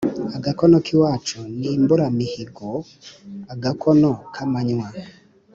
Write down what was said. agakono k'iwacu ni imbungiramihigo-agakono k'amanywa.